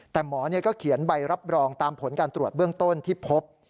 แต่หมอก็เขียนใบรับรองตามผลการตรวจเบื้องต้นที่พบ